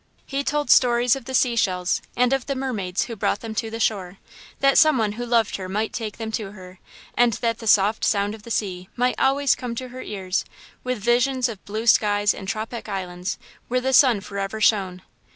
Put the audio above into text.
He told stories of the sea shells, and of the mermaids who brought them to the shore, that some one who loved her might take them to her, and that the soft sound of the sea might always come to her ears, with visions of blue skies and tropic islands, where the sun forever shone.